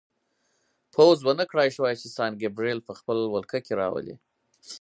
پوځ ونه شوای کړای چې سان ګبریل په خپله ولکه کې راولي.